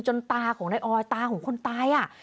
ตาของนายออยตาของคนตายอ่ะ